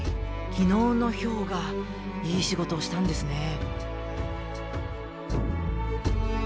昨日のひょうがいい仕事をしたんですね。